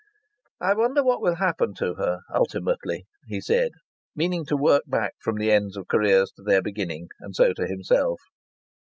"I wonder what will happen to her ultimately?" he said, meaning to work back from the ends of careers to their beginnings, and so to himself.